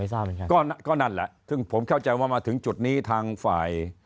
ทราบเหมือนกันก็นั่นแหละซึ่งผมเข้าใจว่ามาถึงจุดนี้ทางฝ่าย